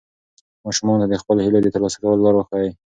ماشومانو ته د خپلو هیلو د ترلاسه کولو لار وښایئ.